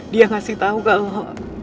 dia ngasih tahu kalau